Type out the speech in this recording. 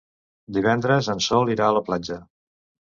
Divendres en Sol irà a la platja.